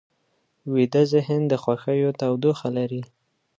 ویده ذهن د خوښیو تودوخه لري